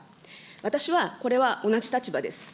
私はこれは、同じ立場です。